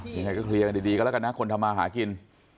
ยังไงก็เคลียร์กันดีก็แล้วกันนะคนทำมาหากิน